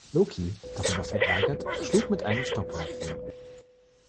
Loki, darüber verärgert, schlug mit einem Stock nach ihm.